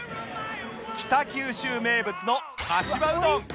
北九州名物のかしわうどん！